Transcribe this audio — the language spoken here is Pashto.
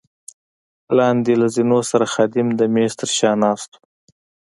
لاندې له زینو سره خادم د مېز تر شا ناست وو.